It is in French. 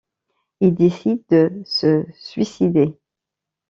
Il décide de se suicider.